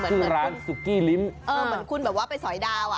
ชื่อร้านสุกี้ลิ้มเออเหมือนคุณแบบว่าไปสอยดาวอ่ะ